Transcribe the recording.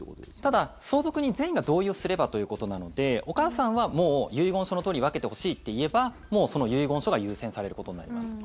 ただ、相続人全員が同意をすればということなのでお母さんはもう遺言書のとおり分けてほしいって言えばもうその遺言書が優先されることになります。